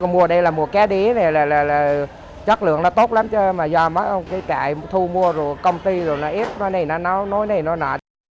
mùa đây là mùa cá đía này là chất lượng nó tốt lắm chứ mà do mất cái cải thu mua rồi công ty rồi nó ép nó này nó nói này nó nọ